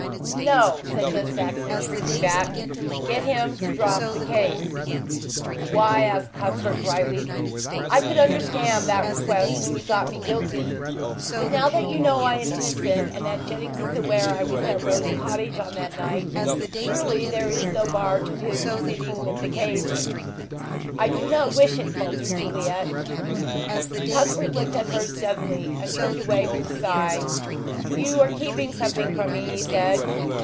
"No," said Miss Saxon, shrinking back; "get him to drop the case." "Why?" asked Cuthbert dryly. "I could understand that request when you thought me guilty, but now that you know I am innocent, and that Jennings is aware I was at Rose Cottage on that night, surely there is no bar to his proceeding with the case." "I do not wish it," faltered Juliet. Cuthbert looked at her steadily and turned away with a sigh. "You are keeping something from me," he said.